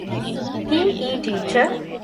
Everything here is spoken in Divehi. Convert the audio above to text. ޕީ. އީ ޓީޗަރ